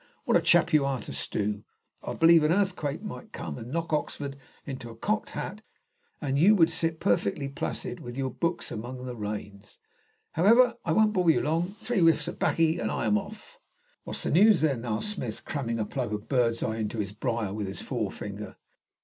"What a chap you are to stew! I believe an earthquake might come and knock Oxford into a cocked hat, and you would sit perfectly placid with your books among the rains. However, I won't bore you long. Three whiffs of baccy, and I am off." "What's the news, then?" asked Smith, cramming a plug of bird's eye into his briar with his forefinger.